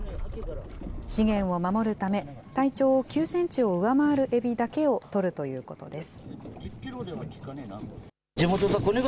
資源を守るため、体長９センチを上回るエビだけを取るということです。